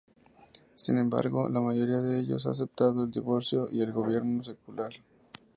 Sin embargo, la mayoría de ellos ha aceptado el divorcio y el gobierno secular.